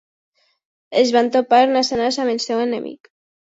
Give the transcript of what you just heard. Es va topar nas a nas amb el seu enemic.